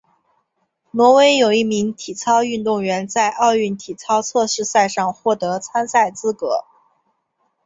挪威有一名体操运动员在奥运体操测试赛上获得参赛资格。